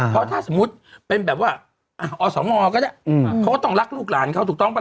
เพราะถ้าสมมุติเป็นแบบว่าอสมก็ได้เขาก็ต้องรักลูกหลานเขาถูกต้องป่